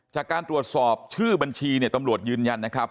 จากการตรวจสอบชื่อบัญชีเนี่ยตำรวจยืนยันนะครับ